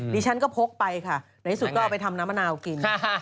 ดิฉันก็พกไปค่ะไหนที่สุดก็เอาไปทำน้ำมะนาวกิน